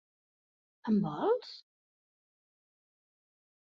Em vols?